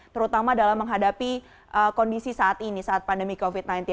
terutama dalam menghadapi kondisi saat ini saat pandemi covid sembilan belas